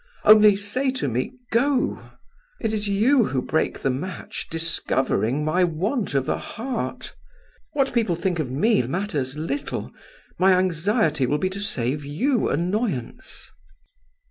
Only say to me, go! It is you who break the match, discovering my want of a heart. What people think of me matters little. My anxiety will be to save you annoyance."